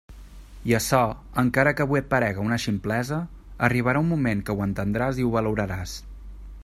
I açò, encara que avui et parega una ximplesa, arribarà un moment que ho entendràs i ho valoraràs.